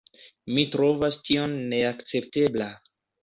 Mi trovas tion neakceptebla.